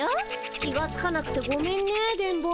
気がつかなくてごめんね電ボ。